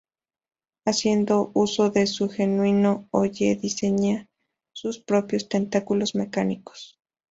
Haciendo uso de su genio, Ollie diseña sus propios tentáculos mecánicos.